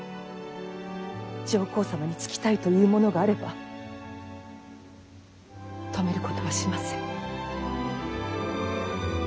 上皇様につきたいという者があれば止めることはしません。